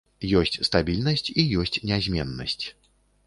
Ёсць стабільнасць і ёсць нязменнасць.